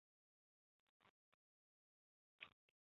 平罗线